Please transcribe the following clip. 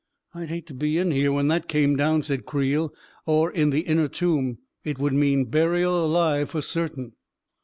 " I'd hate to be in here when that came down," said Creel ;" or in the inner tomb. It would mean burial alive for certain